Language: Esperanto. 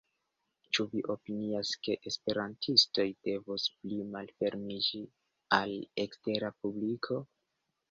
Ĉu vi opinias ke esperantistoj devus pli malfermiĝi al ekstera publiko?